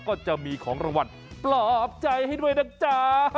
ก็จะมีของรางวัลปลอบใจให้ด้วยนะจ๊ะ